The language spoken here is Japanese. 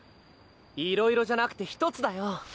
いろいろじゃなくて１つだよ。